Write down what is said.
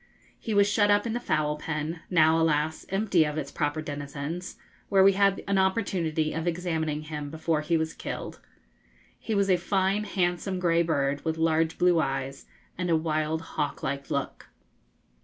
He was shut up in the fowl pen now, alas, empty of its proper denizens where we had an opportunity of examining him before he was killed. He was a fine, handsome, grey bird, with large blue eyes, and a wild hawk like look.